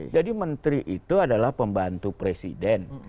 jadi menteri itu adalah pembantu presiden